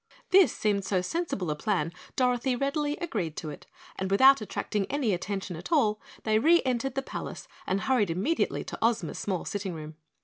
This seemed so sensible a plan, Dorothy readily agreed to it, and without attracting any attention at all they re entered the palace and hurried immediately to Ozma's small sitting room.